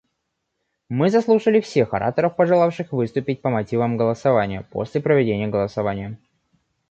Мы заслушали всех ораторов, пожелавших выступить по мотивам голосования после проведения голосования.